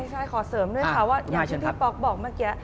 ใช่ขอเสริมด้วยค่ะว่าอย่างที่พี่ป๊อกบอกเมื่อกี้